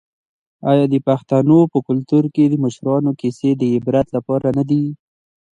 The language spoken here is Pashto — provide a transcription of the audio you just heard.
آیا د پښتنو په کلتور کې د مشرانو کیسې د عبرت لپاره نه دي؟